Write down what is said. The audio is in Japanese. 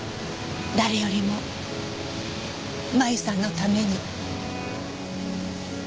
誰よりも麻由さんのために。